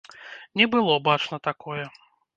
Не было бачна такое.